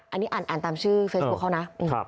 อันนี้อ่านตามชื่อเฟซบุ๊คเขานะ